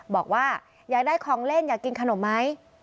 บอกว่าอยากได้ของเล่นอยากกินขนมไหม